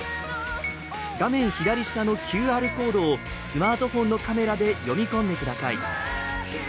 画面左下のＱＲコードをスマートフォンのカメラで読み込んでください。